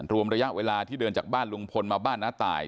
รวมระยะเวลาที่เดินจากบ้านลุงพลมาบ้านน้าตาย